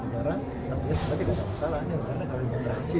nantinya seperti tidak ada masalah ini adalah negara yang berhasil